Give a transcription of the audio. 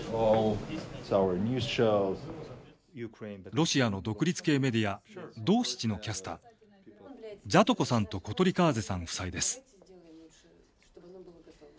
ロシアの独立系メディア「ドーシチ」のキャスタージャトコさんとコトリカーゼさん夫妻です。